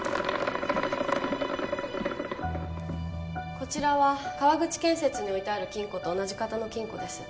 こちらは川口建設に置いてある金庫と同じ型の金庫です